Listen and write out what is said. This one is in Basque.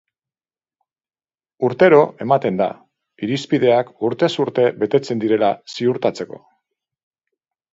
Urtero ematen da, irizpideak urtez urte betetzen direla ziurtatzeko.